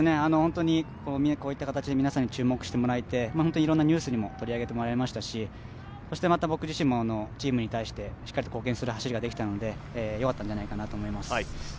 こういった形で皆さんに注目してもらえて、いろんなニュースにも取り上げてもらいましたしそしてまた僕自身もチームに対してしっかり貢献する走りができましたのでよかったんじゃないかなと思います。